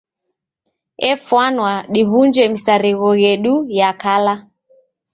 Efwana diw'unje misarigho yedu ya kala.